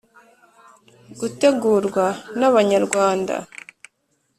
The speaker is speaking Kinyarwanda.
gutegurwa n’abanyarwanda